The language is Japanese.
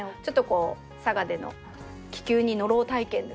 ちょっとこう佐賀での気球に乗ろう体験